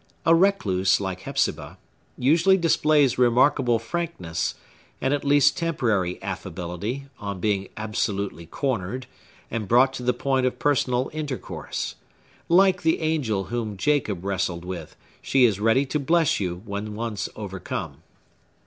A recluse, like Hepzibah, usually displays remarkable frankness, and at least temporary affability, on being absolutely cornered, and brought to the point of personal intercourse; like the angel whom Jacob wrestled with, she is ready to bless you when once overcome.